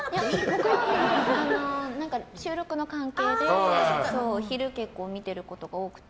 木曜日の収録の関係で昼、結構見てることが多くて。